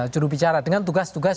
jurubicara dengan tugas tugas